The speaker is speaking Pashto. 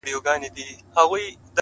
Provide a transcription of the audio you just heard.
پاچا صاحبه خالي سوئ؛ له جلاله یې؛